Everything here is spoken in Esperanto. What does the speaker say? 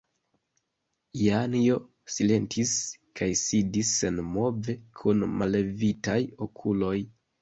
Janjo silentis kaj sidis senmove kun mallevitaj okuloj.